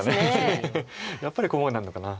やっぱり細かくなるのかな。